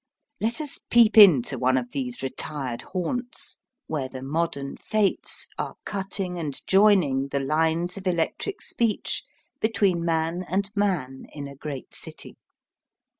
Let us peep into one of these retired haunts, where the modern Fates are cutting and joining the lines of electric speech between man and man in a great city.